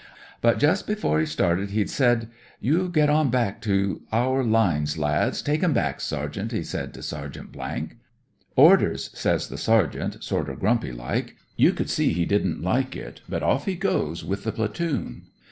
But jus' before he started he'd said, * You get on back to our lines, lads. Take 'em back. Sergeant,' he said to Sergeant "' Orders,' says the sergeant, sorter grumpy like. You could see he didn't like it, but off he goes with the platoon.